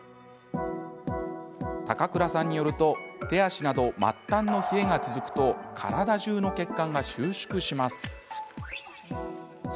高倉さんによると手足など末端の冷えが続くと体じゅうの血管が収縮します。